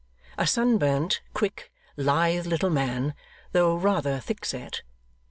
A sunburnt, quick, lithe, little man, though rather thickset.